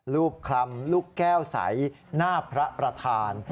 คลำลูกแก้วใสหน้าพระประธาน